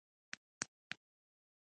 دننه ليلما وسونګېدله.